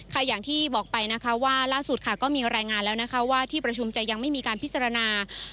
อย่างที่บอกไปนะคะว่าล่าสุดค่ะก็มีรายงานแล้วนะคะว่าที่ประชุมจะยังไม่มีการพิจารณา